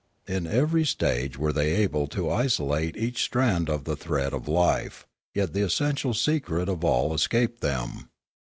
In every stage were they able to isolate each strand of the thread of life; yet the essential secret of all escaped them.